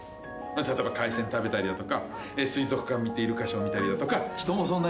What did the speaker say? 例えば海鮮食べたりだとか水族館見てイルカショー見たりだとか。